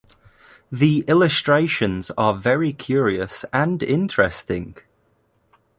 The illustrations are very curious and interesting.